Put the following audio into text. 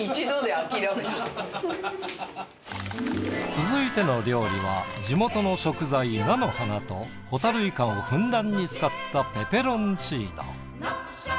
続いての料理は地元の食材・菜の花とホタルイカをふんだんに使ったペペロンチーノ。